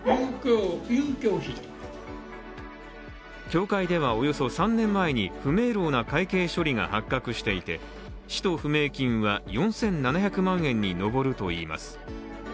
協会では、およそ３年前に不明朗な会計処理が発覚していて使途不明金は４７００万円に上るといいます。